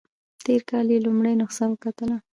تېر کال یې لومړنۍ نسخه وکتله.